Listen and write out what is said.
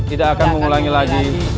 tidak akan mengulangi lagi